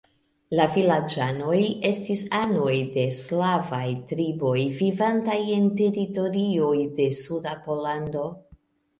La vilaĝanoj estis anoj de slavaj triboj, vivantaj en teritorioj de suda Pollando.